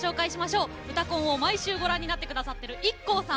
「うたコン」を毎週ご覧になってくださってるＩＫＫＯさん